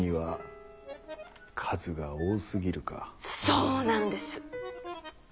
そうなんです！